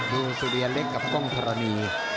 ดูสุริยะเล็กกับก้องธรณีย์